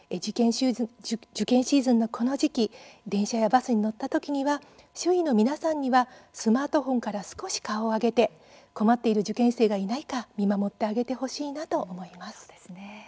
受験シーズンのこの時期電車やバスに乗った時には周囲の皆さんにはスマートフォンから少し顔を上げて困っている受験生がいないか見守ってあげてほしいなと思います。